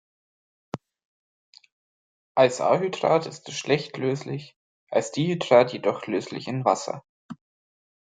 Als Anhydrat ist es schlecht löslich, als Dihydrat jedoch löslich in Wasser.